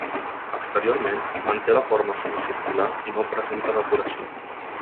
Exteriorment, manté la forma semicircular i no presenta decoració.